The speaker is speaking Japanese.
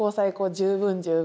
十分十分。